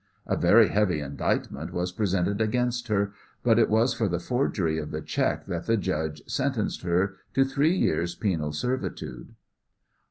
A very heavy indictment was presented against her, but it was for the forgery of the cheque that the judge sentenced her to three years' penal servitude.